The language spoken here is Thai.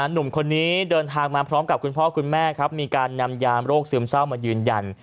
หนุ่มคนนี้เดินทางมาพร้อมกับคุณพ่อคุณแม่ครับมีการนำยามโรคซึมเศร้ามายืนยัน